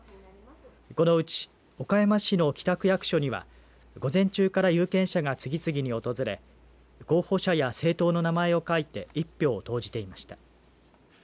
このうち岡山市の北区役所には午前中から有権者が次々に訪れ候補者や政党の名前を書いて１票を投じていました。